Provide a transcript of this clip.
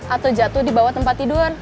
atau jatuh di bawah tempat tidur